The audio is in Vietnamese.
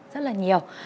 rất là nhiều